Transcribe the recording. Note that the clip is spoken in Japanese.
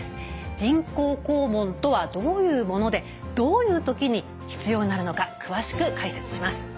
人工肛門とはどういうものでどういう時に必要になるのか詳しく解説します。